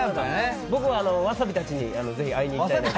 僕は、わさびたちに会いに行きたいです。